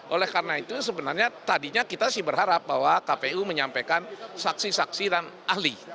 oleh karena itu sebenarnya tadinya kita sih berharap bahwa kpu menyampaikan saksi saksi dan ahli